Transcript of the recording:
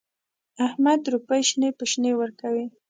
احمد روپۍ شنې په شنې ورکوي.